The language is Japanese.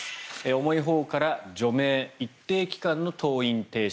重いほうから除名、一定期間の登院停止